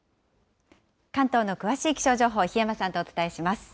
関東の詳しい気象情報、檜山さんとお伝えします。